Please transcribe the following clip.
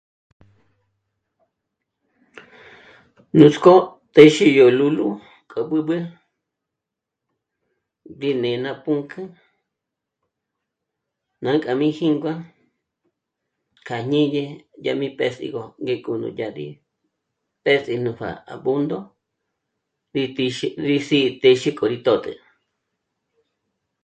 Nuts'kó téxi yó lúlu k'o b'ǚb'ü ngé né'e ná pǔnk'ü nânka mí jǐngua kja jñíni dyà mí p'és'igö ngéko nú dyä̌'ä ná ndíp'és'í nú pjá'a à Bondo rí ti... rí téxi k'o rí tö̂te